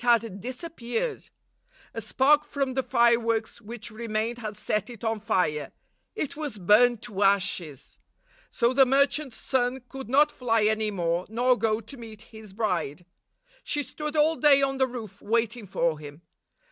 It had disappeared! A spark from the fireworks which remained had set it on fire. It was burned to ashes! So the mer chant's son could not fly any more, nor go to meet his bride. She stood all day on the roof, waiting for him.